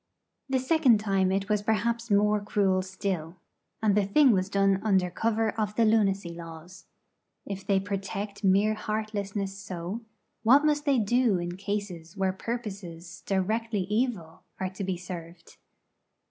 The second time it was perhaps more cruel still. And the thing was done under cover of the lunacy laws. If they protect mere heartlessness so, what must they do in cases where purposes directly evil are to be served?